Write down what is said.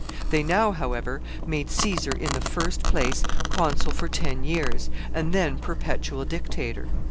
They now, however, made Caesar, in the first place, consul for ten years, and then Perpetual Dictator.